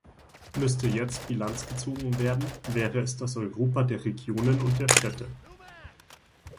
Müsste jetzt Bilanz gezogen werden, wäre es das Europa der Regionen und der Städte.